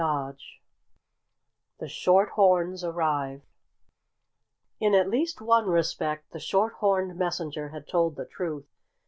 XXII THE SHORT HORNS ARRIVE In at least one respect, the short horned messenger had told the truth.